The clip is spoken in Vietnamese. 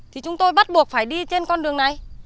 thì chúng tôi bắt buộc phải đi trên con đường này